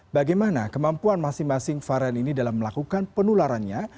bagaimana kemampuan masing masing varian ini dalam melakukan penularannya